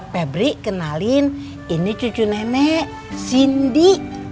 febri kenalin ini cucu nenek cindy